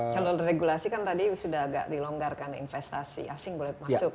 kalau regulasi kan tadi sudah agak dilonggarkan investasi asing boleh masuk